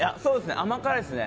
甘辛いですね。